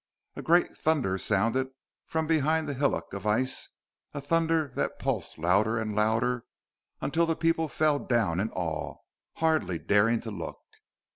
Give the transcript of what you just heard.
A great thunder sounded from behind the hillock of ice, a thunder that pulsed louder and louder, until the people fell down in awe, hardly daring to look.